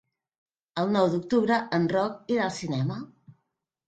El nou d'octubre en Roc irà al cinema.